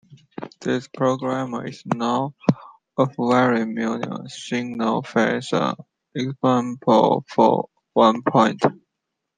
This programme is now of very minor significance, except for one point.